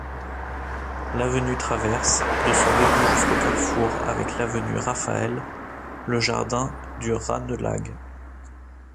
L'avenue traverse, de son début jusqu'au carrefour avec l'avenue Raphaël, le jardin du Ranelagh.